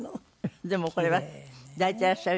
でもこれは抱いてらっしゃるじゃない。